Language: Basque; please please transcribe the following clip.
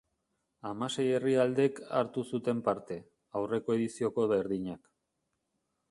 Hamasei herrialdek hartu zuten parte, aurreko edizioko berdinak.